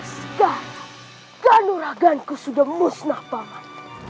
sekarang ganuraganku sudah musnah paman